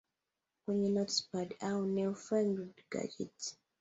kwenye notepads au newfangled gadget